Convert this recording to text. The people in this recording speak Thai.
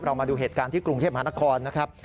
มาดูเหตุการณ์ที่กรุงเทพมหานครนะครับ